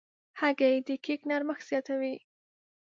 هګۍ د کیک نرمښت زیاتوي.